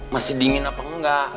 masih dingin apa enggak